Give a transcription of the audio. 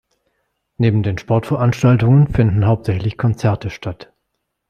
Neben den Sportveranstaltungen finden hauptsächlich Konzerte statt.